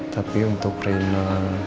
tapi untuk reina